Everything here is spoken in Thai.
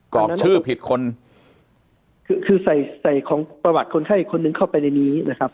อกชื่อผิดคนคือคือใส่ใส่ของประวัติคนไข้อีกคนนึงเข้าไปในนี้นะครับ